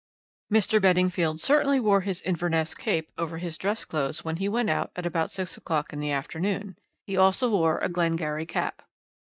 "Mr. Beddingfield certainly wore his Inverness cape over his dress clothes when he went out at about six o'clock in the afternoon. He also wore a Glengarry cap.